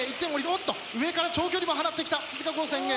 おっと上から長距離も放ってきた鈴鹿高専Ａ。